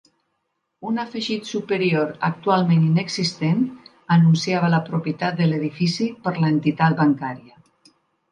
Un afegit superior, actualment inexistent, anunciava la propietat de l'edifici per l'entitat bancària.